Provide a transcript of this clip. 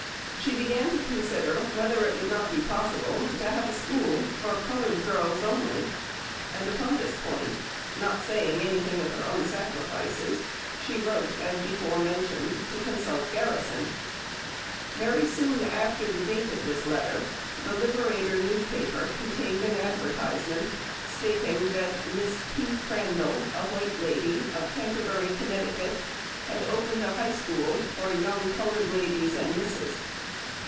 She began to consider whether it would not be possible to have a school for coloured girls only; and upon this point, not saying anything of her own sacrifices, she wrote, as before mentioned, to consult Garrison. Very soon after the date of this letter the Liberator newspaper contained an advertisement, stating that "Miss P. Crandall (a white lady), of Canterbury, Conn." had opened a "High School for young coloured ladies and misses."